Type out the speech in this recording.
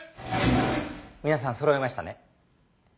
皆さん揃いましたね。